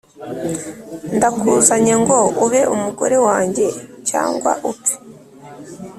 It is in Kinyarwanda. Ndakuzanye ngo ube umugore wanjye cyangwa upfe